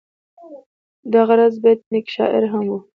دغه راز بېټ نیکه شاعر هم و.